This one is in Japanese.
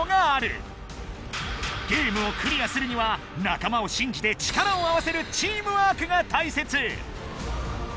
ゲームをクリアするには仲間を信じて力を合わせるチームワークが大切！